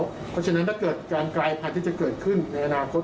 เพราะฉะนั้นถ้าเกิดการกลายพันธุ์จะเกิดขึ้นในอนาคต